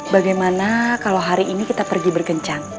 bagaimana kalau hari ini kita pergi bergencang